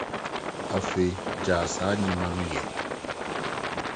Afei gyae saa nneɛma no yɛ.